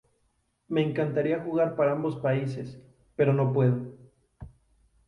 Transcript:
Me encantaría jugar para ambos países, pero no puedo.